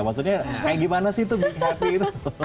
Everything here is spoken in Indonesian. maksudnya kayak gimana sih tuh being happy itu